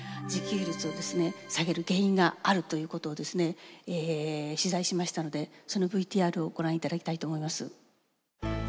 自給率を下げる原因があるということを取材しましたのでそのＶＴＲをご覧いただきたいと思います。